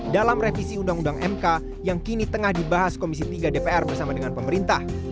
dalam revisi undang undang mk yang kini tengah dibahas komisi tiga dpr bersama dengan pemerintah